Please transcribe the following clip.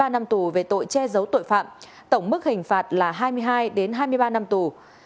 ba năm tù về tội che giấu tội phạm tổng mức hình phạt là hai mươi hai hai mươi ba năm tù